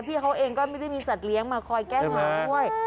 พี่เขาเองก็ไม่ได้มีสัตว์เลี้ยงมาคอยแก้งานด้วย